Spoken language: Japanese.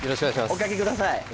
おかけください